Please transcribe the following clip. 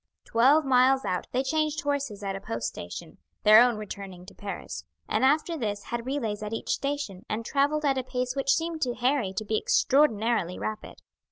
Twelve miles out they changed horses at a post station, their own returning to Paris, and after this had relays at each station, and travelled at a pace which seemed to Harry to be extraordinarily rapid.